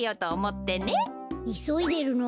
いそいでるの？